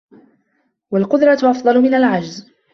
وَالْقُدْرَةُ أَفْضَلُ مِنْ الْعَجْزِ